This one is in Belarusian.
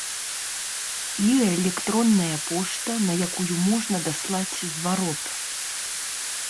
І электронная пошта, на якую можна даслаць зварот.